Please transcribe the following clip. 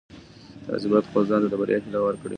تاسي باید خپل ځان ته د بریا هیله ورکړئ.